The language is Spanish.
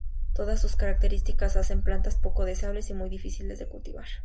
Todas estas características hacen estas plantas poco deseables y muy difíciles de cultivar.